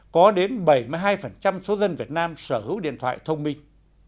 có đến bảy mươi hai số dân việt nam sở hữu điện thoại thông minh